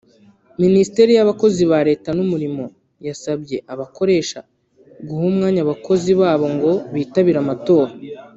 Minisiteri y’Abakozi ba Leta n’Umurimo yasabye abakoresha guha umwanya abakozi babo ngo bitabire amatora